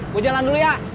bu jalan dulu ya